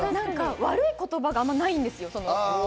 悪い言葉があまりないんですよ。